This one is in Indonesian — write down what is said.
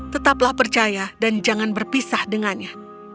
kau harus percaya dan jangan berpisah dengannya